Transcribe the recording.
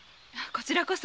こちらこそ。